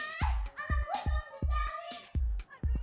anak gue belum dicari